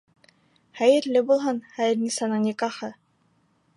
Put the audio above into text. Хәйерле булһын Хәйернисаның никахы!